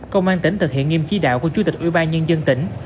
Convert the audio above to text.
công an tỉnh thực hiện nghiêm trí đạo của chủ tịch ủy ban nhân dân tỉnh